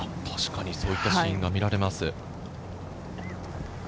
そういったシーンが見られます。